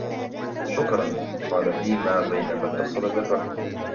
" شكرًا ،" قال ديما بينما اتصل بالرقم.